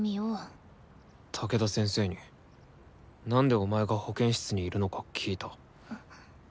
武田先生になんでお前が保健室にいるのか聞いた。